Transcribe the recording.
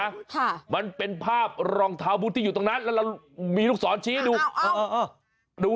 ค่ะมันเป็นภาพรองเท้าบูธที่อยู่ตรงนั้นและมีลูกสอนชี้ดู